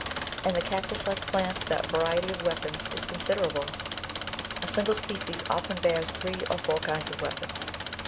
In the cactus like plants the variety of weapons is consider able. A single species often bears three or four kinds of weapons.